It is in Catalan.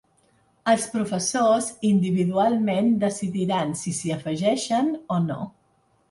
Els professors individualment decidiran si s’hi afegeixen o no.